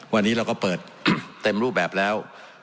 วันนี้เราก็เปิดเต็มรูปแบบแล้ว